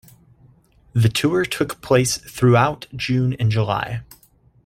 The tour took place throughout June and July.